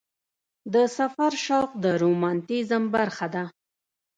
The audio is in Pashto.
د سفر شوق د رومانتیزم برخه ده.